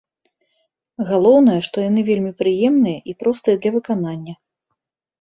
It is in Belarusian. Галоўнае, што яны вельмі прыемныя і простыя для выканання.